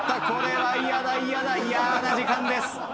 これは嫌だ嫌だ嫌な時間です。